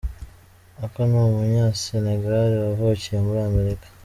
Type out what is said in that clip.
Akon ni Umunyasenegale wavukiye muri Amerika.